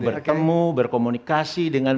bertemu berkomunikasi dengan